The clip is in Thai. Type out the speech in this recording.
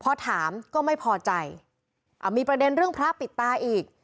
พอถามก็ไม่พอใจอ่ามีประเด็นเรื่องพระปิดตาอีก